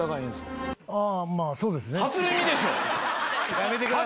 やめてください。